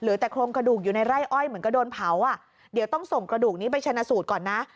แต่โครงกระดูกอยู่ในไร่อ้อยเหมือนก็โดนเผาอ่ะเดี๋ยวต้องส่งกระดูกนี้ไปชนะสูตรก่อนนะ